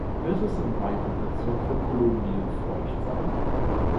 Wird es im Weippe Bezirk von Kolumbien feucht sein?